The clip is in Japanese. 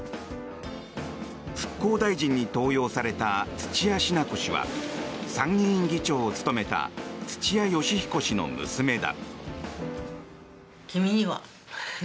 復興大臣に登用された土屋品子氏は参議院議長を務めた土屋義彦氏の娘だ。